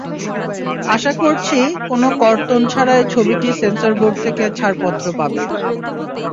আশা করছি, কোনো কর্তন ছাড়াই ছবিটি সেন্সর বোর্ড থেকে ছাড়পত্র পাবে।